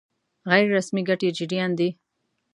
غیر رسمي ګټې جريان دي.